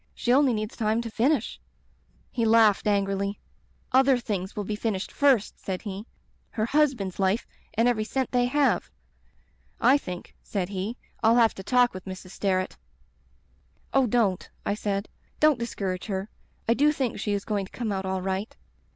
She only needs time to finish ' "He laughed angrily. 'Other things will be finished first,' said he. 'Her husband's life and every cent they have. I think,' said he, 'I'll have to talk with Mrs. Sterret.' "'Oh, don't,' I said. 'Don't discourage her. I do think she is goiiig to come out all right.'